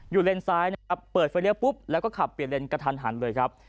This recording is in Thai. อยู่เลนสายนะครับเปิดไฟเลี้ยร์ปุ๊บแล้วก็ขับเปลี่ยนเลนกดทันเลยครับ